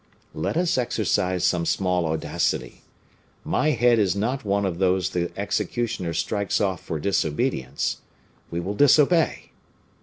Let us exercise some small audacity! My head is not one of those the executioner strikes off for disobedience. We will disobey!"